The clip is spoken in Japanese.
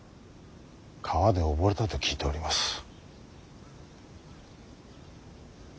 川で溺れたと聞いております。